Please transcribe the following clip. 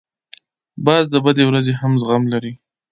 باز د بدې ورځې هم زغم لري